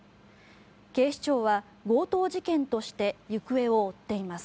警視庁は強盗事件として行方を追っています。